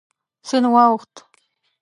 سیند واوښت.